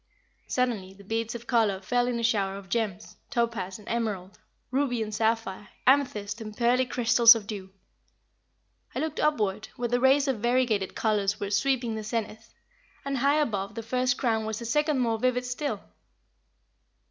Suddenly the beads of color fell in a shower of gems, topaz and emerald, ruby and sapphire, amethyst and pearly crystals of dew. I looked upward, where the rays of variegated colors were sweeping the zenith, and high above the first crown was a second more vivid still.